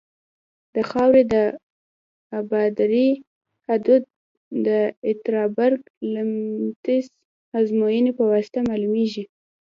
د خاورې د ابدارۍ حدود د اتربرګ لمتس ازموینې په واسطه معلومیږي